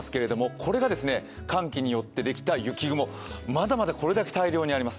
これが寒気によってできた雪雲まだまだこれだけ大量にあります。